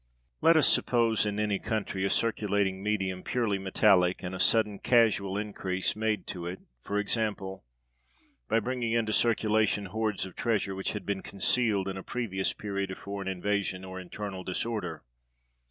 Let us suppose in any country a circulating medium purely metallic, and a sudden casual increase made to it; for example, by bringing into circulation hoards of treasure, which had been concealed in a previous period of foreign invasion or internal disorder.